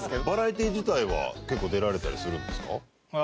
バラエティー自体は結構出られたりするんですか？